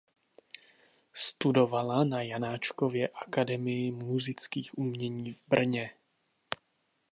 Studovala na Janáčkově akademii múzických umění v Brně.